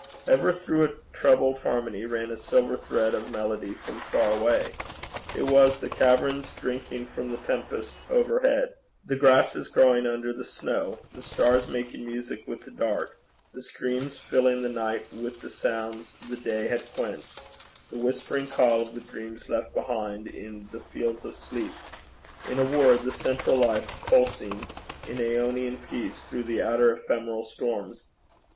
Ever through a troubled harmony ran a silver thread of melody from far away. It was the caverns drinking from the tempest overhead, the grasses growing under the snow, the stars making music with the dark, the streams filling the night with the sounds the day had quenched, the whispering call of the dreams left behind in 'the fields of sleep,' in a word, the central life pulsing in aeonian peace through the outer ephemeral storms.